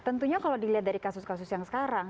tentunya kalau dilihat dari kasus kasus yang sekarang